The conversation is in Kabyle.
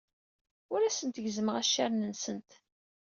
Ur asent-gezzmeɣ accaren-nsent.